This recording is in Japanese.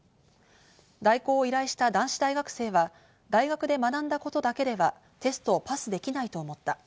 代行を依頼した男子大学生は、大学で学んだことだけではテストをパスできないと思った。